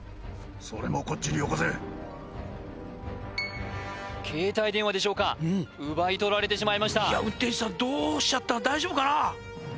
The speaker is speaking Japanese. それもこっちによこせ携帯電話でしょうか奪い取られてしまいました運転手さんどうしちゃったの大丈夫かな？